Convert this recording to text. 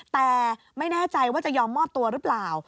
แต่ไม่แน่ใจว่าจะยอมมอบตัวหรือเปล่า